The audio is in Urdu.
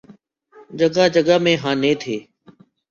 جگہ جگہ میخانے تھے۔